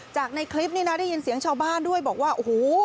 ในคลิปนี้นะได้ยินเสียงชาวบ้านด้วยบอกว่าโอ้โห